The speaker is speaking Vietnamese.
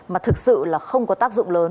mà thực sự là không có tác dụng lớn